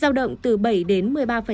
giao động từ bảy đến một mươi ba